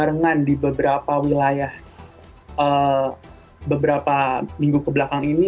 barengan di beberapa wilayah beberapa minggu kebelakang ini